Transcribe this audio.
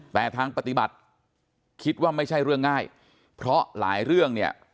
แต่ทางปฏิบัติคิดว่าไม่ใช่เรื่องง่ายเพราะหลายเรื่องเนี่ย